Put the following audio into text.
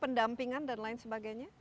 pendampingan dan lain sebagainya